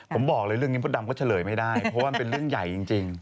ผมบอกเลยเรื่องนี้มดดำก็เฉลยไม่ได้เพราะว่ามันเป็นเรื่องใหญ่จริง